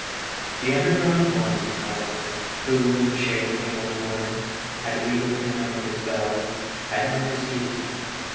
The underground one, however, who, in the shape of an old woman, had wheedled him out of his bell, had not deceived him.